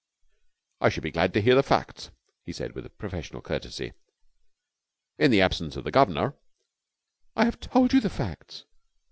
"I should be glad to hear the facts," he said with professional courtesy. "In the absence of the Guv'nor...." "I have told you the facts!"